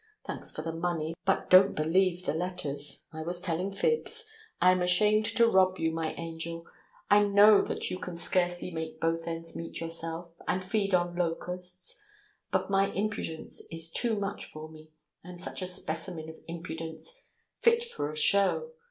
Thanks for the money, but don't believe the letters; I was telling fibs. I am ashamed to rob you, my angel; I know that you can scarcely make both ends meet yourself, and feed on locusts, but my impudence is too much for me. I am such a specimen of impudence fit for a show!